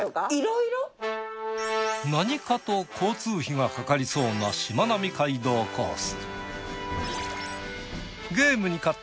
何かと交通費がかかりそうなしまなみ海道コース。